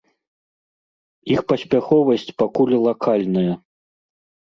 Іх паспяховасць пакуль лакальная.